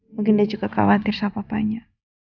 mungkin dia juga khawatir sama papanya